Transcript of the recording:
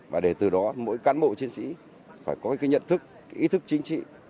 và để từ đó mỗi cán bộ chiến sĩ phải có cái nhận thức cái ý thức chính trị